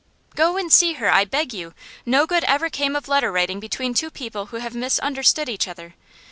'Go and see her, I beg you! No good ever came of letter writing between two people who have misunderstood each other.